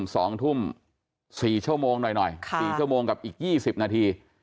สองทุ่มสี่ชั่วโมงหน่อยหน่อยค่ะสี่ชั่วโมงกับอีกยี่สิบนาที